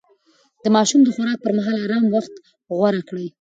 د ماشوم د خوراک پر مهال ارام وخت غوره کړئ.